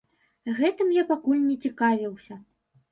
Гэтым я пакуль не цікавіўся.